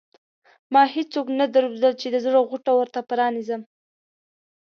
ما هېڅوک نه درلودل چې د زړه غوټه ورته پرانېزم.